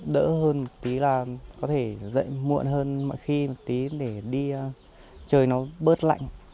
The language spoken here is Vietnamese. đỡ hơn một tí là có thể dạy muộn hơn mọi khi một tí để đi chơi nó bớt lạnh